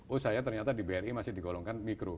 oh saya ternyata di bri masih digolongkan mikro